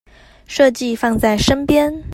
設計放在身邊